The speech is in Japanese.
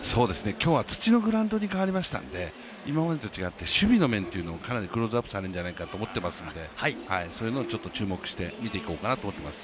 今日は土のグラウンドに変わりましたので今までと違って守備の面というのが、かなりクローズアップされるんじゃないかと思っていますので、そういうのを注目してみていこうと思っています。